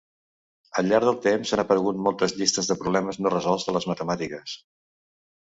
Al llarg del temps han aparegut moltes llistes de problemes no resolts de les matemàtiques.